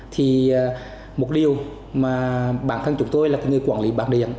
thì một điều mà bản thân chúng tôi là người quản lý bản điện